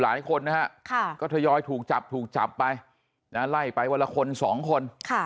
หลายคนนะฮะก็ทยอยถูกจับถูกจับไปไล่ไปวันละคนสองคน